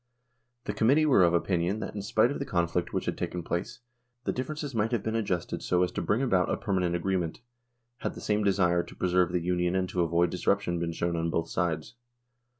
The Committee were of opinion that in spite of the conflict which had taken place, the differences might have been adjusted so as to bring about a permanent agreement, had the same desire to preserve the Union and to avoid disruption been shown on both sides.